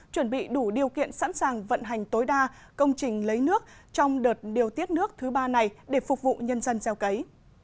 chuẩn bị đủ điều kiện sẵn sàng vận hành tối đa công trình lấy nước trong đợt điều tiết nước thứ ba này để phục vụ nhân dân gieo cấy